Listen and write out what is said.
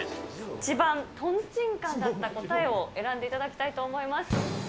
一番とんちんかんだった答えを選んでいただきたいと思います。